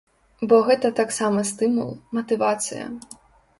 Бо гэта таксама стымул, матывацыя.